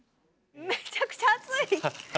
めちゃくちゃ熱いハハハ！